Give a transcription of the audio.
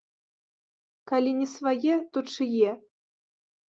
Калі не свае, то чые?